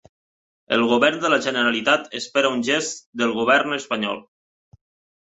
El govern de la Generalitat espera un gest del govern espanyol.